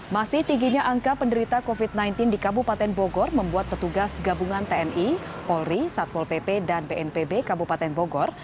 masih tingginya angka penderita covid sembilan belas di kabupaten bogor membuat petugas gabungan tni polri satpol pp dan bnpb kabupaten bogor